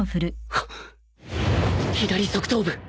左側頭部！